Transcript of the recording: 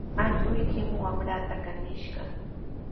Allquykimi wamraata kaniskishqa.